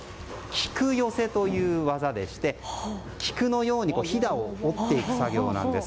菊寄せという技でして菊のようにひだを折っていく作業です。